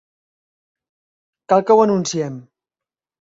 Cal que ho anunciem.